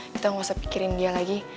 kita gak usah pikirin dia lagi